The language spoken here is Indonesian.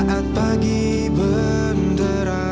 kamu gak apa apa kan